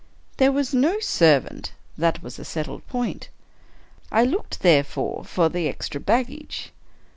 There was no ser vant — that was a settled point. I looked, therefore, for the extra baggage.